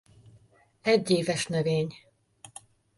Egyéves növény.